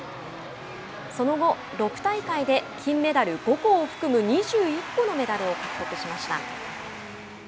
その後６大会で金メダル５個を含む２１個のメダルを獲得しました。